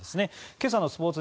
今朝のスポーツ